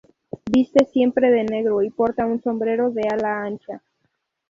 Viste siempre de negro y porta un sombrero de ala ancha.